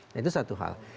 nah itu satu hal